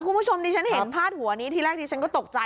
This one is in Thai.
คุณผู้ชมดิฉันเห็นพาดหัวนี้ทีแรกดิฉันก็ตกใจ